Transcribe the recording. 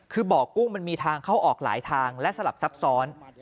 คือบ่อกุ้งมันมีทางเข้าออกหลายทางและสลับซับซ้อน